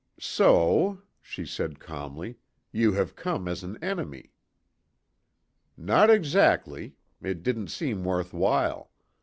"So," she said calmly, "you have come as an enemy." "Not exactly; it didn't seem worth while.